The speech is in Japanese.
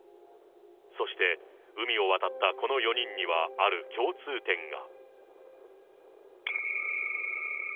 そして、海を渡ったこの４人には、ある共通点が。